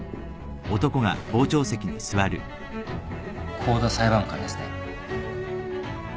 香田裁判官ですね。